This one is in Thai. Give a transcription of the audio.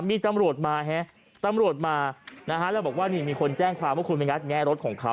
มีตำรวจมาฮะตำรวจมานะฮะแล้วบอกว่านี่มีคนแจ้งความว่าคุณไปงัดแงะรถของเขา